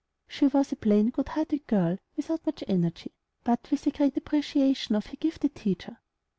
She was a plain, good hearted girl, without much energy, but with a great appreciation of her gifted teacher.